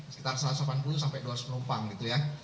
sekitar satu ratus delapan puluh sampai dua ratus penumpang gitu ya